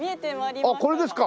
あっこれですか？